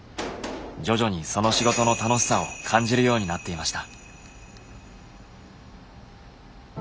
徐々にその仕事の楽しさを感じるようになっていました。